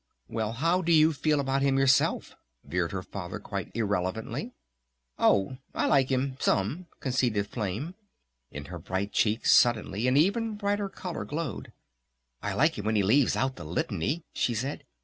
"Well, how do you feel about him yourself?" veered her Father quite irrelevantly. "Oh, I like him some," conceded Flame. In her bright cheeks suddenly an even brighter color glowed. "I like him when he leaves out the Litany," she said.